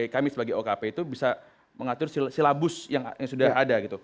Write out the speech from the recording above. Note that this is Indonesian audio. kami sebagai okp itu bisa mengatur silabus yang sudah ada